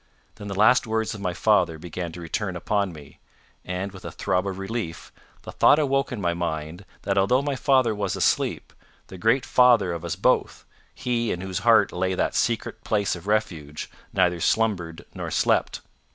Then the last words of my father began to return upon me, and, with a throb of relief, the thought awoke in my mind that although my father was asleep, the great Father of us both, he in whose heart lay that secret place of refuge, neither slumbered nor slept.